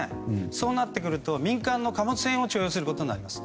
そうなってくると民間の貨物船を徴用することになります。